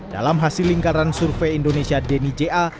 dalam hasil lingkaran survei indonesia denny ja